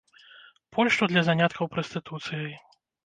Польшчу для заняткаў прастытуцыяй.